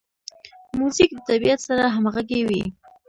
موزیک د طبیعت سره همغږی وي.